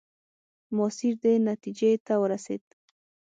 ماسیر دې نتیجې ته ورسېد.